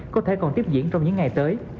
có thể còn tiếp diễn trong những ngày tới